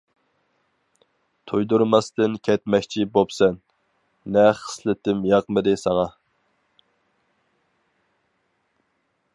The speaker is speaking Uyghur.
تۇيدۇرماستىن كەتمەكچى بوپسەن، نە خىسلىتىم ياقمىدى ساڭا.